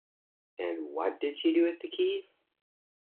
And what did she do with the keys?